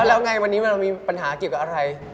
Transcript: แล้วไงวันนี้เวลามีปัญหาเกี่ยวกับอะไร